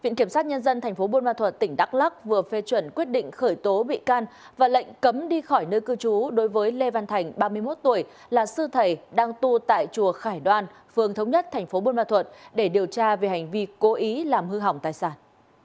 viện kiểm sát nhân dân thành phố bôn ma thuật tỉnh đắk lắc vừa phê chuẩn quyết định khởi tố bị can và lệnh cấm đi khỏi nơi cư trú đối với lê văn thành ba mươi một tuổi là sư thầy đang tu tại chùa khải đoan phường thống nhất thành phố bôn ma thuận để điều tra về hành vi cố ý làm hư hỏng tài sản